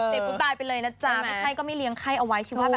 เด็กบุ๊บบายไปเลยนะจ้าไม่ใช่ก็ไม่เลี้ยงไข้เอาไว้ชีววะแบบนี้